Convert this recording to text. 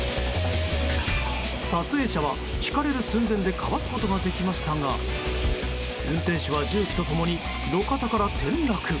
撮影者は、ひかれる寸前でかわすことができましたが運転手は重機と共に路肩から転落。